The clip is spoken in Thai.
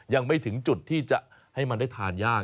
ยังไม่ถึงจุดที่จะให้มันได้ทานยาก